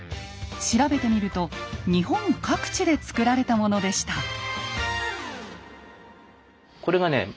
調べてみると日本各地で作られたものでした。